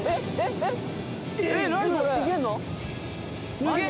すげえ！